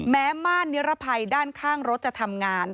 ม่านนิรภัยด้านข้างรถจะทำงาน